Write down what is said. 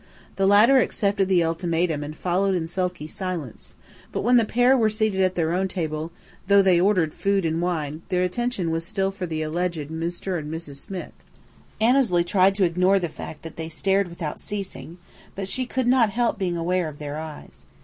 The latter accepted the ultimatum and followed in sulky silence; but when the pair were seated at their own table, though they ordered food and wine, their attention was still for the alleged Mr. and Mrs. Smith. Annesley tried to ignore the fact that they stared without ceasing, but she could not help being aware of their eyes.